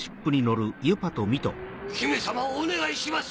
姫様をお願いします。